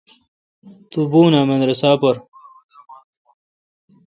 تو بھوں اں مدرسہ پر۔